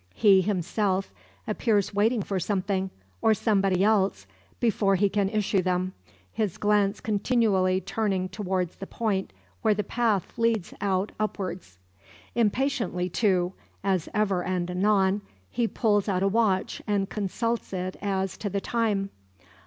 He, himself, appears waiting for something, or somebody else, before he can issue them, his glance continually turning towards the point where the path leads out upwards. Impatiently, too, as ever and anon he pulls out a watch and consults it as, to the time.